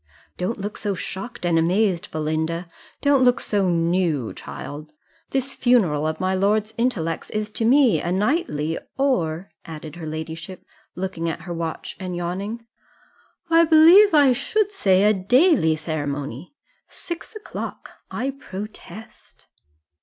Don't look so shocked and amazed, Belinda don't look so new, child: this funeral of my lord's intellects is to me a nightly, or," added her ladyship, looking at her watch and yawning, "I believe I should say a daily ceremony six o'clock, I protest!"